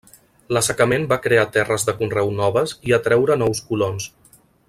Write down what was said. L'assecament va crear terres de conreu noves i atreure nous colons.